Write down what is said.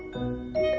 dan lalu ibu